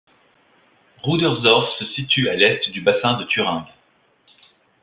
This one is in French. Rudersdorf se situe à l'est du bassin de Thuringe.